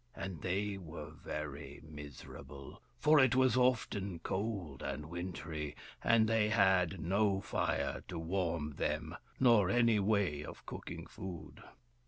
And they were very miserable, for it was often cold and wintry, and they had no fire to warm them, nor any way of cooking food.